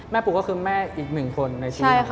แม่ปลุกก็คือแม่อีกหนึ่งคนในชีวิตของเราค่ะ